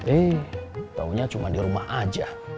eh taunya cuma di rumah aja